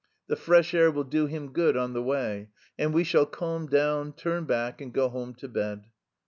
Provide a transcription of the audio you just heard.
"The fresh air will do him good on the way, and we shall calm down, turn back, and go home to bed...."